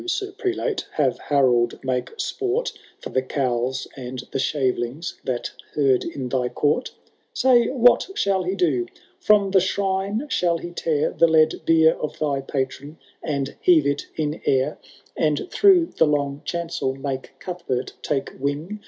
Sir Prelate, have Harold make sport For the cowls and the shavelings that herd in thy court .' Say what shall he do ?— From the shrine shall he tear The lead bier of thy patron, and heave it in air. N Canto IV. HAKOLD THS OAUNTLB66. 165 And through the long chancel make Cuthhert take wing.